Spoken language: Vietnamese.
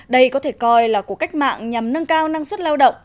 đây có thể coi là cuộc cách mạng nhằm nâng cao năng suất lao động